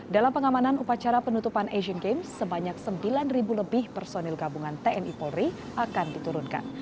dalam pengamanan upacara penutupan asian games sebanyak sembilan lebih personil gabungan tni polri akan diturunkan